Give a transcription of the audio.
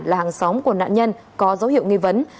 là hàng xóm của nạn nhân có dấu hiệu nghi vấn